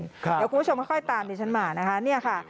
เดี๋ยวคุณผู้ชมค่อยตามดิฉันมานะคะเนี่ยค่ะ